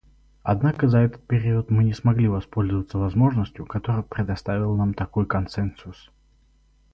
Однако за этот период мы не смогли воспользоваться возможностью, которую предоставил нам такой консенсус.